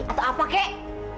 atau apa kek